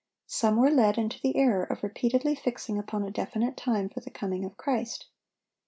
Some were led into the error of repeatedly fixing upon a definite time for the coming of Christ.